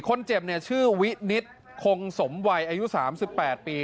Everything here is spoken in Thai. คนเจ็บเนี่ยชื่อวินิตคงสมวัยอายุ๓๘ปี